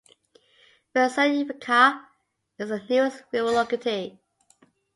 Vasilyevka is the nearest rural locality.